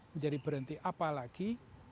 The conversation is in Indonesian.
menjadi berhenti apalagi